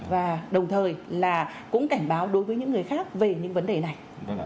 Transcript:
và đồng thời là cũng cảnh báo đối với những người khác về những vấn đề này